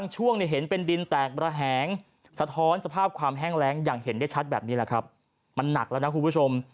เห็นได้ชัดแบบนี้แหละครับมันหนักแล้วนะคุณผู้ชม